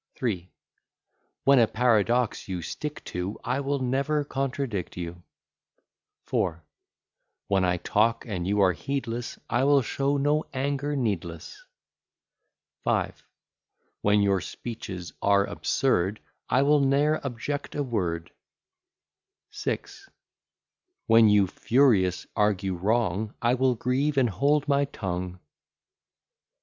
III When a paradox you stick to, I will never contradict you. IV When I talk and you are heedless, I will show no anger needless. V When your speeches are absurd, I will ne'er object a word. VI When you furious argue wrong, I will grieve and hold my tongue.